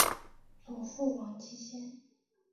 祖父王继先。